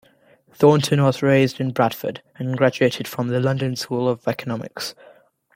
Thornton was raised in Bradford, and graduated from the London School of Economics.